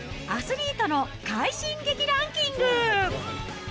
アスリートの快進撃ランキング。